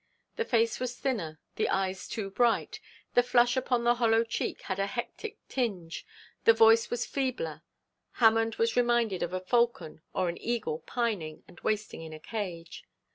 The face was thinner, the eyes too bright, the flush upon the hollow cheek had a hectic tinge, the voice was feebler. Hammond was reminded of a falcon or an eagle pining and wasting in a cage.